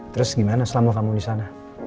terus gimana selama kamu disana